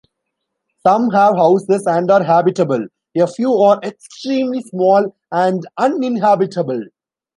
Some have houses and are habitable; a few are extremely small and uninhabitable.